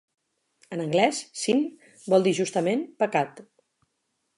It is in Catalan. En anglès, "sin", vol dir justament "pecat".